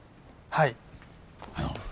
はい。